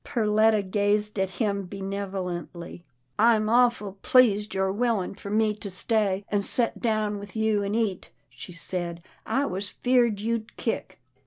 Perletta gazed at him benevolently. " I'm awful pleased you're willin' for me to stay, an' to set down with you an' eat," she said, " I was feared you'd kick."